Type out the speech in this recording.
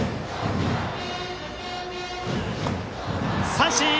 三振！